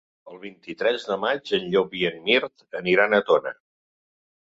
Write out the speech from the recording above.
El vint-i-tres de maig en Llop i en Mirt aniran a Tona.